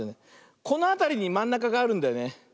このあたりにまんなかがあるんだよね。